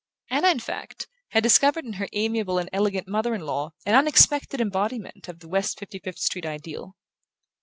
Anna, in fact, had discovered in her amiable and elegant mother in law an unexpected embodiment of the West Fifty fifth Street ideal.